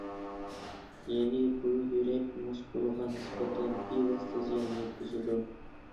يەنى بۇ يۈرەك مۇسكۇلىغا نىسبەتەن بىۋاسىتە زىيان يەتكۈزىدۇ.